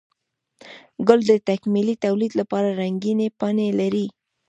گل د تکميلي توليد لپاره رنګينې پاڼې لري